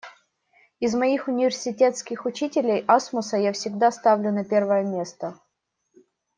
Из моих университетских учителей, Асмуса я всегда ставлю на первое место.